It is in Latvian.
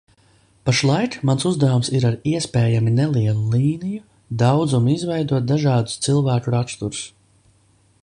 Pašlaik mans uzdevums ir ar iespējami nelielu līniju daudzumu izveidot dažādus cilvēku raksturus.